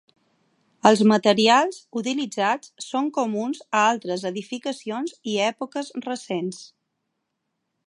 Els materials utilitzats són comuns a altres edificacions i èpoques recents.